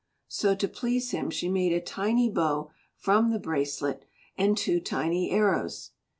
So to please him she made him a tiny bow from the bracelet, and two tiny arrows.